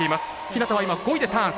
日向は５位でターン。